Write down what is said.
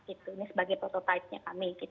ini sebagai prototipe kami